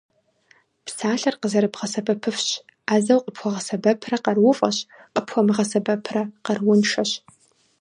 Псалъэр къызэрыбгъэсэбэпыфщ: Ӏэзэу къыпхуэгъэсэбэпрэ - къарууфӀэщ, къыпхуэмыгъэсэбэпрэ - къарууншэщ.